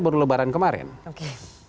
baru lebaran kemarin oke